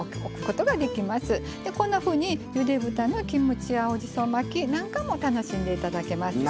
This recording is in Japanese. こんなふうにゆで豚のキムチ青じそ巻きなんかも楽しんで頂けますよ。